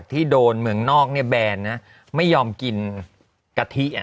ที่โดนเมืองนอกแบนไม่ยอมกินกะทิ